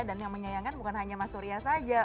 dan yang menyayangkan bukan hanya mas surya saja